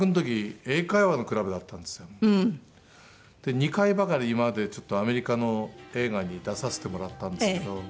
２回ばかり今までちょっとアメリカの映画に出させてもらったんですけど。